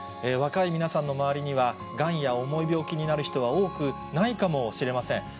若い皆さんの周りには、がんや重い病気になる人は多くないかもしれません。